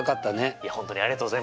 いや本当にありがとうございます。